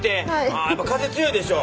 あやっぱ風強いでしょ